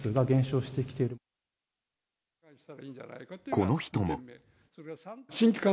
この人も。